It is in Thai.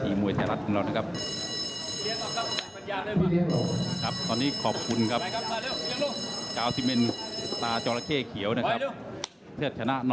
เทิดจอห์ระเข้ฟ่าถางเออไป๑หมื่นบาทครับ